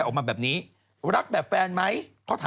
ก็คือมีสื่อไหมคะ